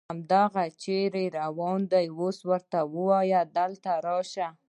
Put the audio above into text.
هاغه چېرته روان ده، ورته ووایه دلته راشي